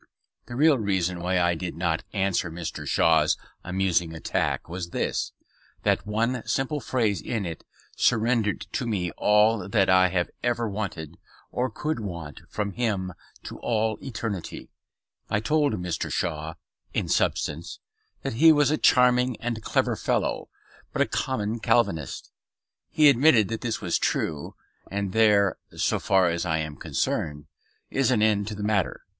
The real reason why I did not answer Mr. Shaw's amusing attack was this: that one simple phrase in it surrendered to me all that I have ever wanted, or could want from him to all eternity. I told Mr. Shaw (in substance) that he was a charming and clever fellow, but a common Calvinist. He admitted that this was true, and there (so far as I am concerned) is an end of the matter.